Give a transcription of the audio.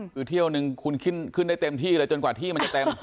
คือเที่ยวนึงคุณขึ้นได้เต็มที่เลยจนกว่าที่มันจะเต็ม